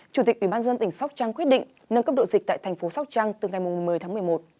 chủ tịch ubnd tỉnh sóc trăng quyết định nâng cấp độ dịch tại thành phố sóc trăng từ ngày một mươi tháng một mươi một